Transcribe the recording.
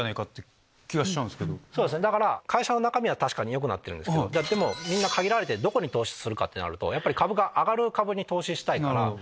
会社の中身は確かによくなってるんですけどみんな限られてどこに投資するかってなると株価が上がる株に投資したいから。